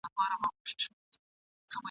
د دې مظلوم قام د ژغورني !.